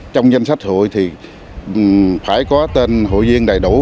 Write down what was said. trong danh sách hụi thì phải có tên hụi viên đầy đủ